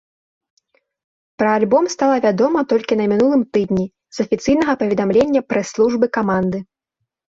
Пра альбом стала вядома толькі на мінулым тыдні з афіцыйнага паведамлення прэс-службы каманды.